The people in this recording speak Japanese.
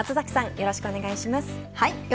よろしくお願いします。